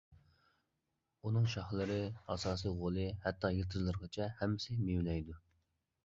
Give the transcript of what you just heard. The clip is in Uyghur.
ئۇنىڭ شاخلىرى، ئاساسىي غولى، ھەتتا يىلتىزلىرىغىچە ھەممىسى مېۋىلەيدۇ.